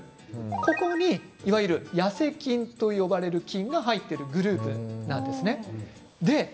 ここに、いわゆる痩せ菌と呼ばれる菌が入っているグループなんです。